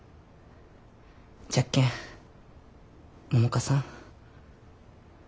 じゃけん百花さん。